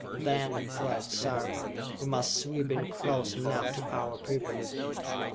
"Then," cried Sarka, "we must sweep in close enough to our people...."